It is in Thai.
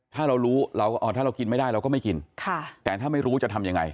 ถ้าเรารู้ถ้าเรากินไม่ได้เราก็ไม่กินแต่ถ้าไม่รู้จะทำยังไง